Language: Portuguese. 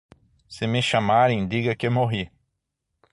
Se me chamarem, diga que morri!